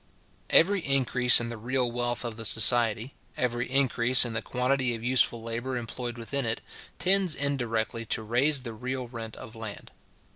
Every increase in the real wealth of the society, every increase in the quantity of useful labour employed within it, tends indirectly to raise the real rent of land.